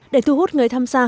để thu hút người tham gia